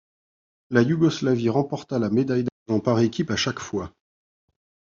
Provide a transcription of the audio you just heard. La Yougoslavie remporta la médaille d'argent par équipe à chaque fois.